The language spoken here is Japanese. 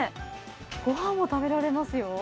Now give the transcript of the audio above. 御飯も食べられますよ。